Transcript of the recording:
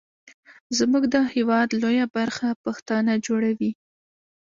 زمونږ د هیواد لویه برخه پښتانه جوړوي.